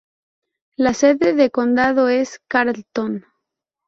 La sede de condado es Carlton.